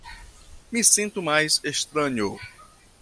Me sinto mais estranho